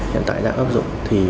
hiện tại đã áp dụng thì